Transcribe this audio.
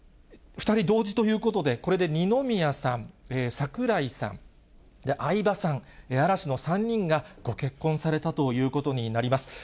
２人同時ということで、これで二宮さん、櫻井さん、相葉さん、嵐の３人がご結婚されたということになります。